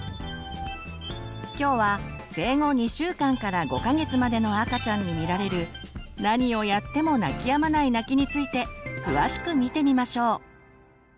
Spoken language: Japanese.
今日は生後２週間から５か月までの赤ちゃんに見られる何をやっても泣きやまない泣きについて詳しく見てみましょう。